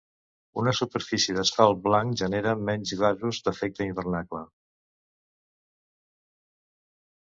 Una superfície d'asfalt blanc genera menys gasos d'efecte hivernacle.